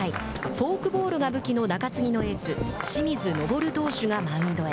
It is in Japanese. フォークボールが武器の中継ぎのエース清水昇投手がマウンドへ。